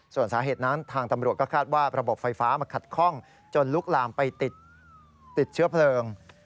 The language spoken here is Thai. ส่วนสาเหตุนั้นทางตำรวจก็คาดว่าระบบไฟฟ้ามาขัดข้องจนลุกลามไปติดเชื้อเพลิง